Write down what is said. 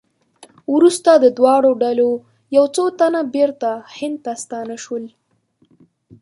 وروسته د دواړو ډلو یو څو تنه بېرته هند ته ستانه شول.